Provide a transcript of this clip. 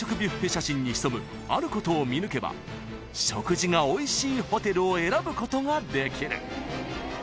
写真に潜むあることを見抜けば食事がおいしいホテルを選ぶことができる］